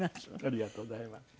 ありがとうございます。